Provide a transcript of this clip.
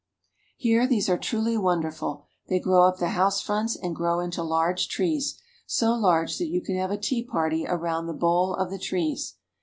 Here these are truly wonderful; they grow up the house fronts, and grow into large trees, so large that you can have a tea party around the bole of the trees.